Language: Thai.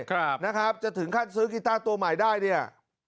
ครับนะครับจะถึงขั้นซื้อกีต้าตัวใหม่ได้เนี่ย